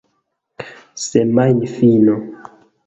semajnfino